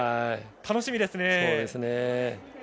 楽しみですね。